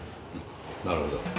なるほど。